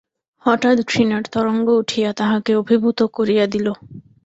হঠাৎ ঘৃণার তরঙ্গ উঠিয়া তাহাকে অভিভূত করিয়া দিল।